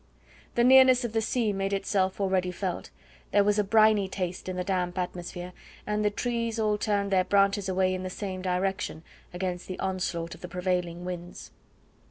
The nearness of the sea made itself already felt; there was a briny taste in the damp atmosphere, and the trees all turned their branches away in the same direction against the onslaught of the prevailing winds.